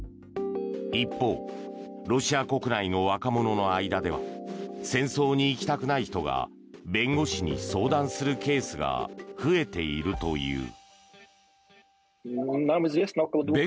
一方、ロシア国内の若者の間では戦争に行きたくない人が弁護士に相談するケースが増えているという。